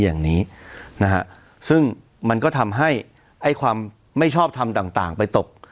อย่างนี้นะฮะซึ่งมันก็ทำให้ไอ้ความไม่ชอบทำต่างต่างไปตก